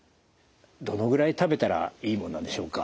どのぐらい食べたらいいもんなんでしょうか？